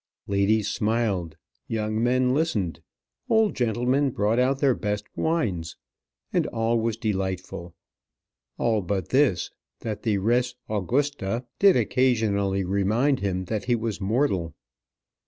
Ladies smiled, young men listened, old gentlemen brought out their best wines, and all was delightful. All but this, that the "res angusta" did occasionally remind him that he was mortal.